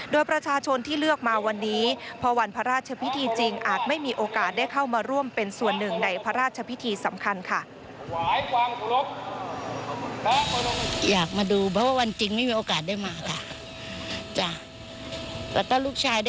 โดยประชาชนที่เลือกมาวันนี้พอวันพระราชพิธีจริงอาจไม่มีโอกาสได้เข้ามาร่วมเป็นส่วนหนึ่งในพระราชพิธีสำคัญค่ะ